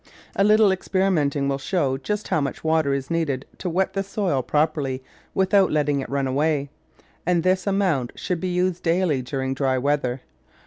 A little experimenting will show just how much water is needed to wet the soil properly with out letting it run away, and this amount should be used daily during dry weather.